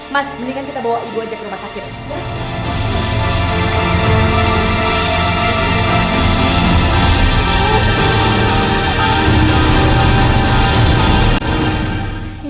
mas mendingan kita bawa ibu aja ke rumah sakit